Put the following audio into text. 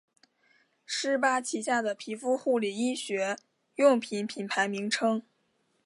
施巴旗下的皮肤护理医学用品品牌名称。